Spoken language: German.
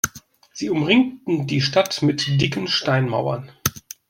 Sie umringten die Stadt mit dicken Steinmauern.